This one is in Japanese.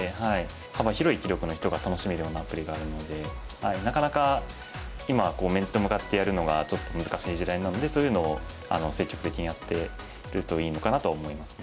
幅広い棋力の人が楽しめるようなアプリがあるのでなかなか今こう面と向かってやるのがちょっと難しい時代なのでそういうのを積極的にやってるといいのかなと思いますね。